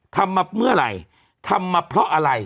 ทำมาเมื่อไหร่ทำมาเพราะอะไร